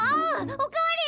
お代わり！